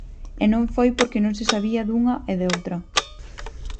E non foi porque non se sabía dunha e doutra.